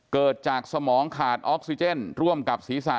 เกิดจากสมองขาดออกซิเจนร่วมกับศีรษะ